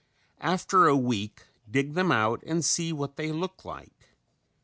After a week dig them out and see what they look like.